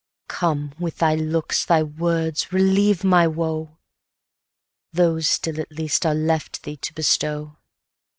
Come! with thy looks, thy words, relieve my woe; Those still at least are left thee to bestow.